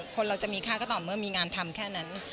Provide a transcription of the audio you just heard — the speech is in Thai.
คนเราจะมีค่าก็ต่อเมื่อมีงานทำแค่นั้น